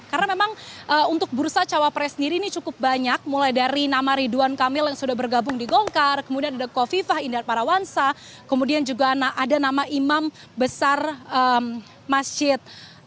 karena memang untuk bursa cawapres sendiri ini cukup banyak mulai dari nama ridwan kamil yang sudah bergabung di gongkar kemudian ada kofifah indar parawansa kemudian juga ada nama imam besar masjid